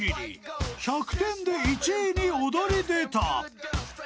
［１００点で１位に躍り出た］